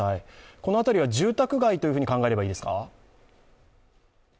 この辺りは住宅街と考えればいいですか？